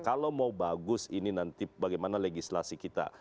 kalau mau bagus ini nanti bagaimana legislasi kita